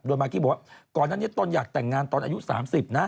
โดยมาคิดว่าก่อนนั้นเนี่ยต้นอยากแต่งงานตอนอายุ๓๐นะ